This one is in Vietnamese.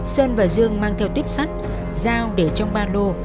sơn và dương mang theo tuyếp sắt dao để trong ba lô